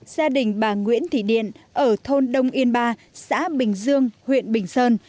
gia đình bà nguyễn thị điện ở thôn đông yên ba xã bình dương huyện bình sơn